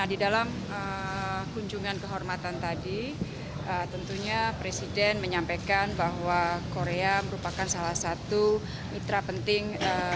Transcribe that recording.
di dalam kunjungan kehormatan tadi tentunya presiden menyampaikan bahwa korea merupakan salah satu mitra penting